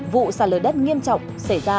vụ sạt lở đất nghiêm trọng xảy ra